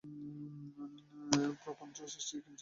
প্রপঞ্চ-সৃষ্টির কিঞ্চিৎ আভাস দেওয়া হইল।